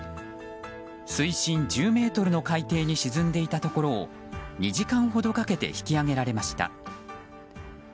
水深１０ｍの海底に沈んでいたところを２時間ほどかけて引き上げられました。